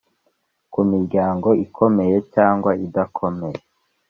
ku miryango ikomeye cyangwa idakomeye